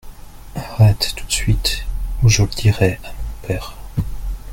Arrête tout de suite où je le dirai à mon père.